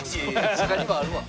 他にもあるわ！